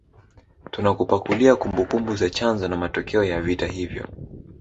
Tunakupakulia kumbukumbu za chanzo na matokeo ya vita hivyo